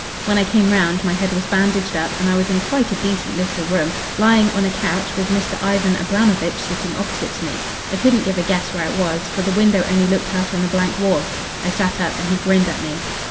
"When I came round my head was bandaged up, and I was in quite a decent little room, lying on a couch, with Mr. Ivan Abramovitch sitting opposite to me. I couldn't give a guess where it was, for the window only looked out on a blank wall. I sat up, and he grinned at me.